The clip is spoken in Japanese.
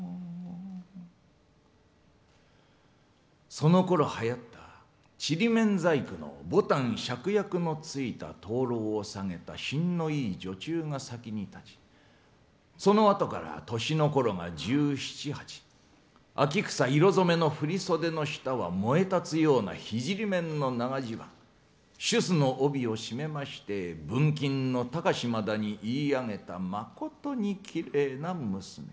そのころはやった縮緬細工の牡丹芍薬のついた灯籠を下げた品のいい女中が先に立ちそのあとから年のころが１７、１８秋草色染の振り袖の下は燃え立つような緋縮緬の長襦袢繻子の帯を締めまして文金の高島田に結い上げたまことにきれいな娘。